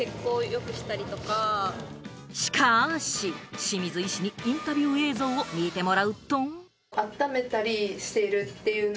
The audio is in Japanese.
しかし、清水医師にインタビュー映像を見てもらうと。